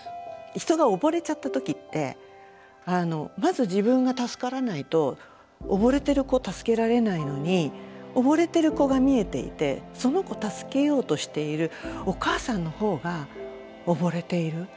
人が溺れちゃった時ってまず自分が助からないと溺れてる子助けられないのに溺れてる子が見えていてその子助けようとしているお母さんの方が溺れている。